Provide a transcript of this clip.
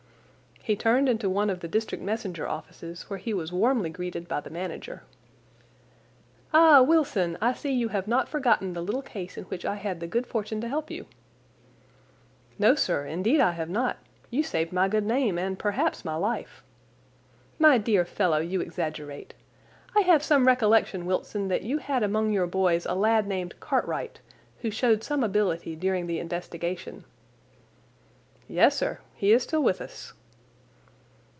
He turned into one of the district messenger offices, where he was warmly greeted by the manager. "Ah, Wilson, I see you have not forgotten the little case in which I had the good fortune to help you?" "No, sir, indeed I have not. You saved my good name, and perhaps my life." "My dear fellow, you exaggerate. I have some recollection, Wilson, that you had among your boys a lad named Cartwright, who showed some ability during the investigation." "Yes, sir, he is still with us."